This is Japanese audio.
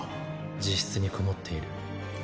自室にこもっている。